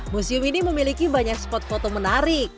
museum ini memiliki banyak spot foto menarik